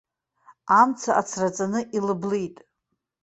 Амца ацраҵаны илыблит.